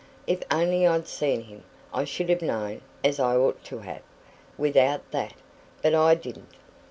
If only I'd seen him. I should have known as I ought to have, without that; but I didn't.